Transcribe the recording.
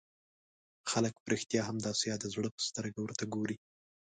خلک په رښتیا هم د آسیا د زړه په سترګه ورته وګوري.